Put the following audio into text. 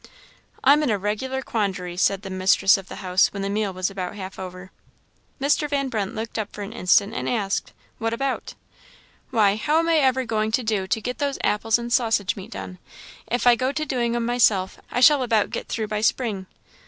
"I am in a regular quandary," said the mistress of the house, when the meal was about half over. Mr. Van Brunt looked up for an instant, and asked, "what about?" "Why, how I am ever going to do to get those apples and sausage meat done? If I go to doing 'em myself, I shall about get through by spring."